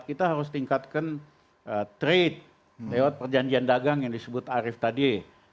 kita harus tingkatkan trade lewat perjanjian dagang yang disebut arief tadi